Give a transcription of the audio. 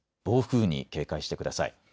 暴風に警戒してください。